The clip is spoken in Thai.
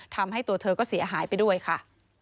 ทำให้ตัวเธอก็เสียหายไปด้วยค่ะ